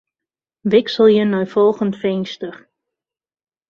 Wikselje nei folgjend finster.